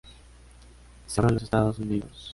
Se abrió en los Estados Unidos.